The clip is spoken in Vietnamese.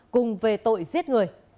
cùng về tội giết người